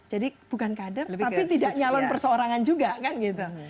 jadi bukan kader tapi tidak nyalon perseorangan juga kan gitu